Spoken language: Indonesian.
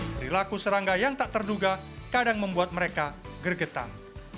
perilaku serangga yang tak terduga kadang membuat mereka gergetan